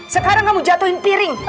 sekarang kamu jatuhin piring